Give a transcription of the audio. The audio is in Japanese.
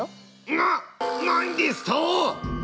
ななんですと！